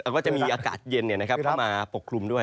ก็จะมีอากาศเย็นเข้ามาปกคลุมด้วย